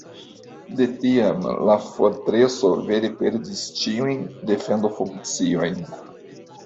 De tiam la fortreso vere perdis ĉiujn defendofunkciojn.